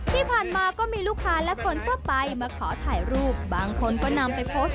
ที่ผ่านมาก็มีลูกค้าและคนทั่วไปมาขอถ่ายรูปบางคนก็นำไปโพสต์